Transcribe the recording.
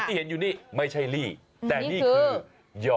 เห็นอยู่นี่ไม่ใช่ลี่แต่นี่คือย่อ